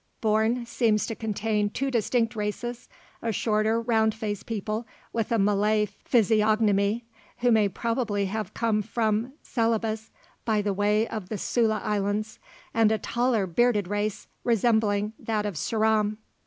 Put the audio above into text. Bourn seems to contain two distinct races, a shorter, round faced people, with a Malay physiognomy, who may probably have come from Celebes by way of the Sula islands; and a taller bearded race, resembling that of Ceram.